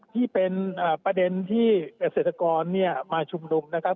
ที่เป็นประเด็นที่เกษตรกรมาชุมนุมนะครับ